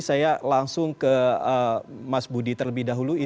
saya langsung ke mas budi terlebih dahulu